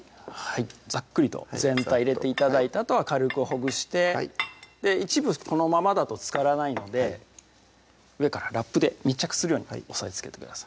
ざっくりと全体入れて頂いてあとは軽くほぐして一部このままだと漬からないので上からラップで密着するように押さえつけてください